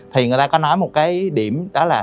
thì người ta có nói một cái điểm đó là